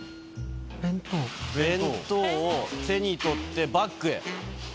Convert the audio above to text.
弁当を手に取って、バッグへ。